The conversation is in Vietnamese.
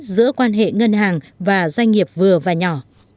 giữa quan hệ ngân hàng và doanh nghiệp vừa và nhỏ